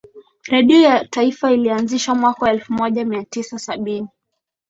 redio ya taifa ilianzishwa mwaka elfu moja mia tisa sabini